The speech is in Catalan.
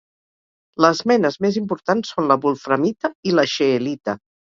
Les menes més importants són la wolframita i la scheelita.